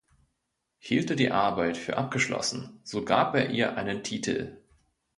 Hielt er die Arbeit für abgeschlossen, so gab er ihr einen Titel.